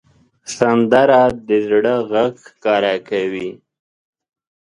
سندره د زړه غږ ښکاره کوي